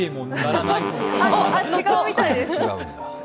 違うみたいです。